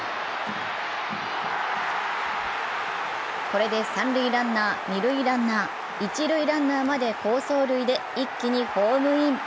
これで三塁ランナー、二塁ランナー一塁ランナーまで好走塁で一気にホームイン。